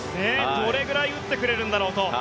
どれくらい打ってくれるんだろうと。